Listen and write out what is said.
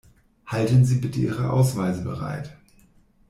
Halten Sie bitte Ihre Ausweise bereit.